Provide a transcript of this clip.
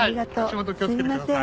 足元気をつけてください。